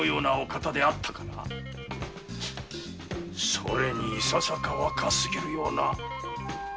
それにいささか若すぎるような。